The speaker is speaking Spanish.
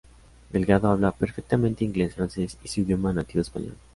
Delgado habla perfectamente Ingles, Frances y su idioma nativo español.